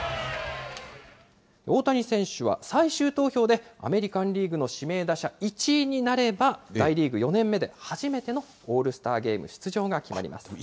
大谷選手は最終投票で、アメリカンリーグの指名打者１位になれば、大リーグ４年目で初めてのオールスターゲーム出場が決まります。